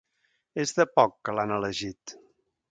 És de poc que l'han elegit.